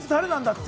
って。